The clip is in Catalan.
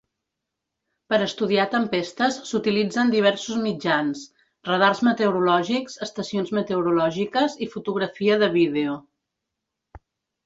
Per estudiar tempestes s'utilitzen diversos mitjans: radars meteorològics, estacions meteorològiques i fotografia de vídeo.